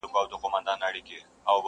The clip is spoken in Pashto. او نه هېرېدونکي پاتې کيږي ډېر,